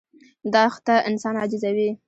دښته انسان عاجزوي.